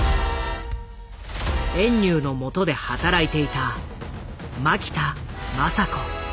遠入のもとで働いていた槇田昌子。